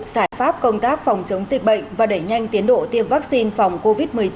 giải pháp công tác phòng chống dịch bệnh và đẩy nhanh tiến độ tiêm vaccine phòng covid một mươi chín